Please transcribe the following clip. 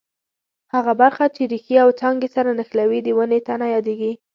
هغه برخه چې ریښې او څانګې سره نښلوي د ونې تنه یادیږي.